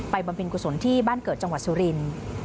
ไปบำพินกุศลที่บ้านเกิดจังหวัดสุริน